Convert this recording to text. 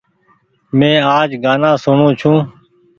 مين آج گآنآ سوڻو ڇون۔